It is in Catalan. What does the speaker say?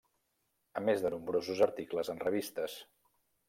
A més de nombrosos articles en revistes.